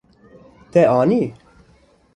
Te anî.